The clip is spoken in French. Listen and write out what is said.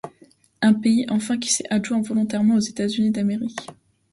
Un pays enfin qui s’est adjoint volontairement aux États-Unis d’Amérique!